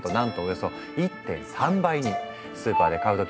スーパーで買う時